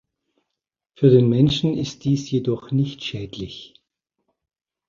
Für den Menschen ist dies jedoch nicht schädlich.